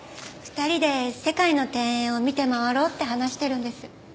２人で世界の庭園を見て回ろうって話してるんです。